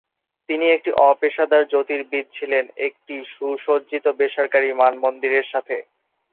তিনি একটি অপেশাদার জ্যোতির্বিদ ছিলেন একটি সুসজ্জিত বেসরকারী মানমন্দিরের সাথে।